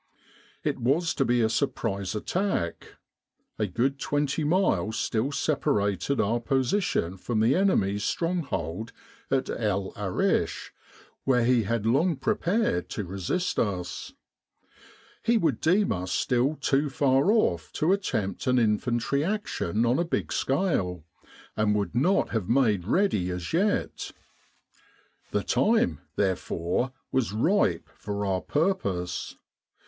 It was to be a surprise attack. A good twenty miles still separated our position from the enemy's stronghold at El Arish where he had long prepared to resist us. He would deem us still too far off to attempt an infantry action on a big scale, and would not have made ready as yet. The time therefore was ripe for our purpose.